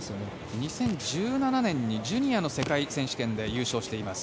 ２０１７年にジュニアの世界選手権で優勝しています